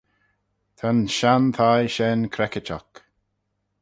Ta'n shenn thie shen creckit oc.